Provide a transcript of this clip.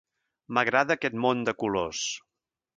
M'agrada aquest món de colors.